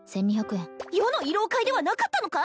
１２００円余の慰労会ではなかったのか！？